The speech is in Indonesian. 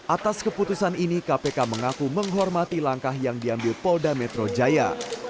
atas keputusan ini kpk mengaku menghormati langkah yang diambil polda metro jaya